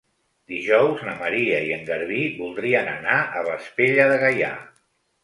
Dijous na Maria i en Garbí voldrien anar a Vespella de Gaià.